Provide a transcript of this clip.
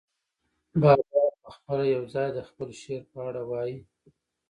بابا پخپله یو ځای د خپل شعر په اړه وايي.